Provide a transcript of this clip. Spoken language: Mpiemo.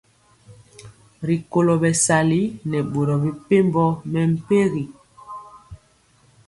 Rikolo bɛsali nɛ boro mepempɔ mɛmpegi.